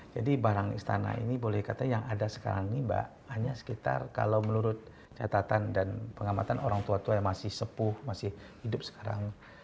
jadi barang istana ini boleh dikatakan yang ada sekarang ini mbak hanya sekitar kalau menurut catatan dan pengamatan orang tua tua yang masih sepuh masih hidup sekarang